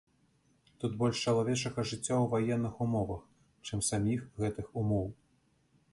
Тут больш чалавечага жыцця ў ваенных умовах, чым саміх гэтых умоў.